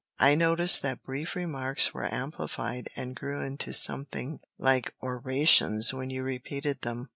I noticed that brief remarks were amplified and grew into something like orations when you repeated them.